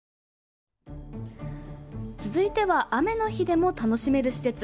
続いては雨の日でも楽しめる施設。